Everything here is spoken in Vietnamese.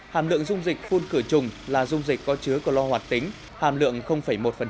hàm lượng dung dịch phun khửa trùng là dung dịch có chứa chlorine hoạt tính hàm lượng một